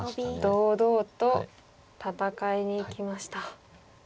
堂々と戦いにいきました。